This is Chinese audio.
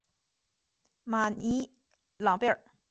马尼朗贝尔。